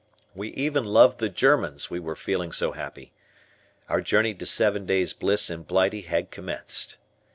We even loved the Germans, we were feeling so happy. Our journey to seven days' bliss in Blighty had commenced.